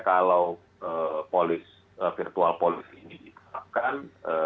kalau virtual policy ini diterapkan